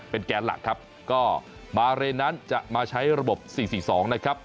แกนหลักครับก็มาเรนนั้นจะมาใช้ระบบ๔๔๒นะครับ